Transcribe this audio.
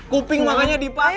kuping makanya dipake